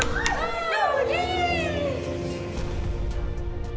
tất cả nó đúng